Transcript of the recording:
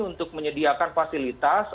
untuk menyediakan fasilitas